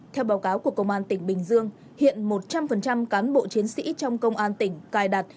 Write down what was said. theo báo cáo của công an tỉnh bình dương hiện một trăm linh cán bộ chiến sĩ trong công an tỉnh cài đặt